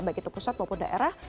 baik itu pusat maupun daerah